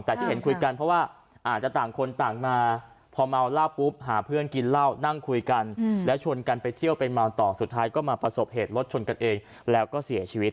แต่ที่เห็นคุยกันเพราะว่าอาจจะต่างคนต่างมาพอเมาเหล้าปุ๊บหาเพื่อนกินเหล้านั่งคุยกันแล้วชวนกันไปเที่ยวไปเมาต่อสุดท้ายก็มาประสบเหตุรถชนกันเองแล้วก็เสียชีวิต